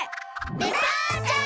デパーチャー！